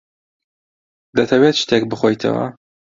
دەتەوێت شتێک بخۆیتەوە؟